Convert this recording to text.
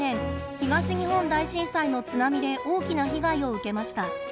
東日本大震災の津波で大きな被害を受けました。